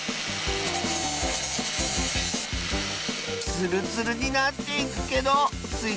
ツルツルになっていくけどスイ